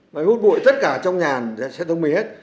máy hút bụi tất cả trong nhà sẽ thông minh hết